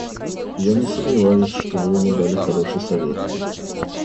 Я не сомневаюсь, что Вы ему дали хороший совет.